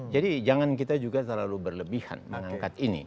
jadi jangan kita juga terlalu berlebihan mengangkat ini